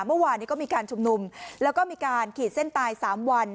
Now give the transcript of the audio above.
เมื่อวานนี้ก็มีการชุมนุมแล้วก็มีการขีดเส้นตาย๓วัน